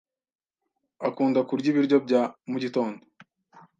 Akunda kurya ibiryo bya mu gitondo.